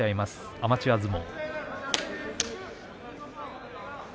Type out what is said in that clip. アマチュア相撲。